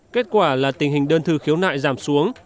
kết quả là tình hình đơn thư khiếu nại giảm xuống